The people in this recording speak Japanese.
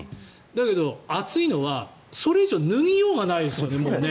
だけど暑いのは、それ以上脱ぎようがないですよね。